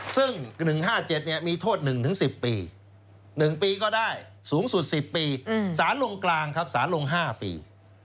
ซึ่ง๑๕๗มีโทษ๑๑๐ปี๑ปีก็ได้สูงสุด๑๐ปีสารงกลาง๕ปี